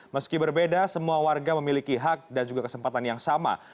meski berbeda semua warga memiliki hak dan juga kesempatan yang sama